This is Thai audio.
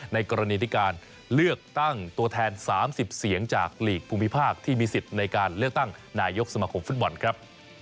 ในกรณีที่การเลือกตั้งตัวแทน๓๐เสียงจากหลีกภูมิภาคที่มีสิทธิ์ในการเลือกตั้งนายกสมาคมฟุตบอลครับ